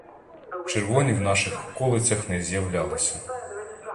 Червоні в наших околицях не з'являлися.